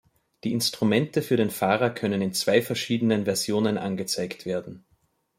Die Instrumente für den Fahrer können in zwei verschiedenen Versionen angezeigt werden.